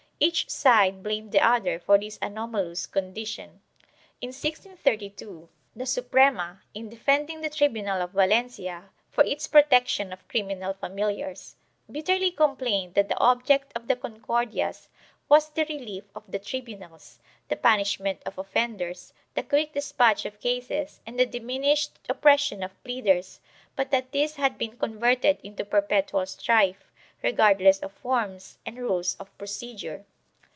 Each side blamed the other for this anomalous condition. In 1632, the Suprema, in defending the tribunal of Valencia for its protec tion of criminal familiars, bitterly complained that the object of the Concordias was the relief of the tribunals, the punishment of offenders, the quick despatch of cases, and the diminished oppression of pleaders, but that this had been converted into perpetual strife, regardless of forms and rules of procedure.